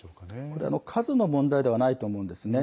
これは、数の問題ではないと思うんですね。